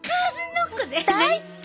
大好き！